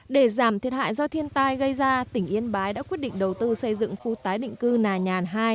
để giảm thiệt hại do thiên tai gây ra tỉnh yên bái đã quyết định đầu tư xây dựng khu tái định cư nà nhàn hai